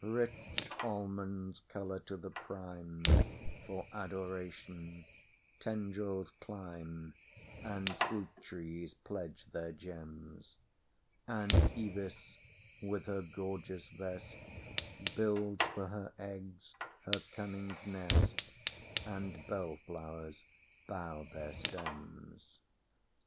Rich almonds colour to the primeFor Adoration; tendrils climb, And fruit trees pledge their gems; And Ivis, with her gorgeous vest, Builds for her eggs her cunning nest, And bell flowers bow their stems.